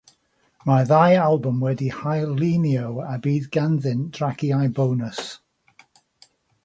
Mae'r ddau albwm wedi'u hail-lunio a bydd ganddynt draciau bonws.